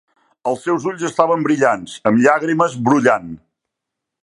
Els seus ulls estaven brillants, amb llàgrimes brollant.